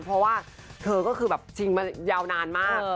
เพราะว่าเธอก็คือแบบชิงมายาวนานมาก